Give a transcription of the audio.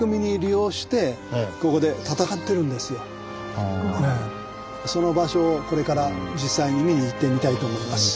結構その場所をこれから実際に見に行ってみたいと思います。